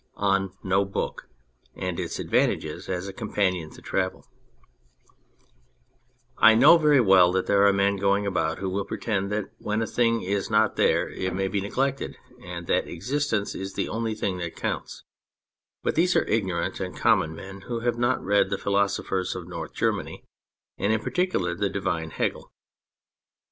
13 ON NO BOOK AND ITS ADVANTAGES AS A COMPANION TO TRAVEL I KNOW very well that there are men going about who will pretend that when a thing is not there it may be neglected, and that existence is the only thing that counts, but these are ignorant and com mon men who have not read the philosophers of North Germany, and in particular the divine Hegel.